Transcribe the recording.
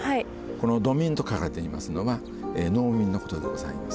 この「土民」と書かれていますのが農民のことでございます。